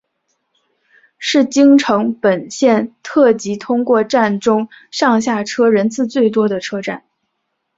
是京成本线特急通过站中上下车人次最多的车站。